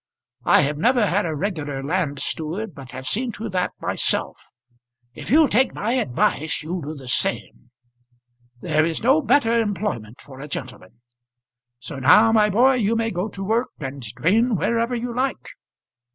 I have never had a regular land steward, but have seen to that myself. If you'll take my advice you'll do the same. There is no better employment for a gentleman. So now, my boy, you may go to work and drain wherever you like.